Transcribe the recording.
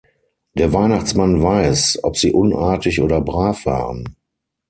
Der Weihnachtsmann weiß, ob Sie unartig oder brav waren.